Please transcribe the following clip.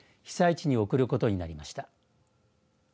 被災地に贈ることになりました。